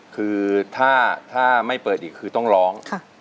คือถ้าไม่เปิดอีกคือต้องร้อง